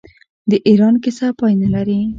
د ایران کیسه پای نلري.